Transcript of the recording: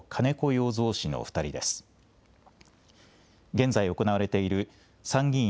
現在行われている参議院